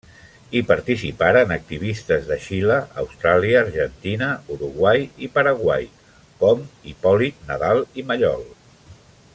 Hi participaren activistes de Xile, Austràlia, Argentina, Uruguai i Paraguai, com Hipòlit Nadal i Mallol.